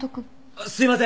あっすいません